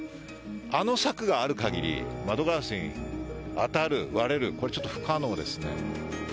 あの柵がある限り窓ガラスに当たる、割れる、不可能ですね。